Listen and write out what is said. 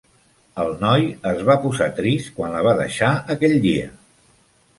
El noi es va posar trist quan la va deixar aquell dia.